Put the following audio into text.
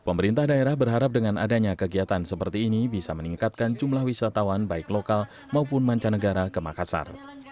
pemerintah daerah berharap dengan adanya kegiatan seperti ini bisa meningkatkan jumlah wisatawan baik lokal maupun mancanegara ke makassar